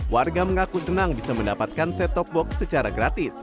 warga mengaku senang bisa mendapatkan set top box secara gratis